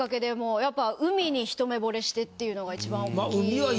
やっぱ海に一目惚れしてっていうのが一番大きい。